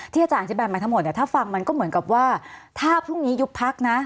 อาจารย์อธิบายมาทั้งหมดเนี่ยถ้าฟังมันก็เหมือนกับว่าถ้าพรุ่งนี้ยุบพักนะ